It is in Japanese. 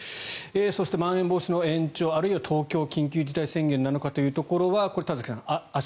そして、まん延防止の延長あるいは東京は緊急事態宣言なのかというところはこれは田崎さん、明日？